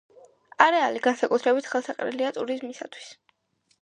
არეალი განსაკუთრებით ხელსაყრელია ტურიზმისთვის.